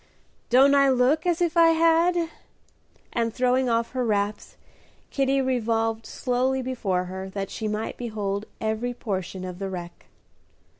"Don't I look as if I had?" and, throwing off her wraps, Kitty revolved slowly before her that she might behold every portion of the wreck.